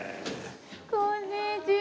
こんにちは！